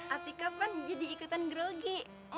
atika pan jadi ikutan grogi